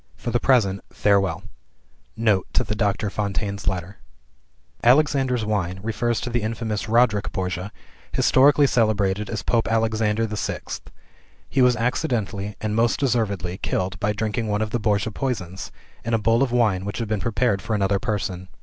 For the present farewell." Note to Doctor Fontaine's Letter "Alexander's Wine" refers to the infamous Roderic Borgia, historically celebrated as Pope Alexander the Sixth. He was accidentally, and most deservedly, killed by drinking one of the Borgia poisons, in a bowl of wine which he had prepared for another person.